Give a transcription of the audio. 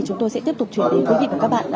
chúng tôi sẽ tiếp tục chuyển đến quý vị và các bạn